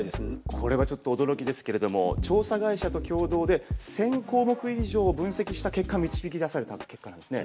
これはちょっと驚きですけれども調査会社と共同で１，０００項目以上分析した結果導き出された結果なんですね。